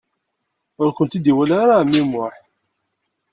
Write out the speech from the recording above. Ur kent-id-iwala ara ɛemmi Muḥ.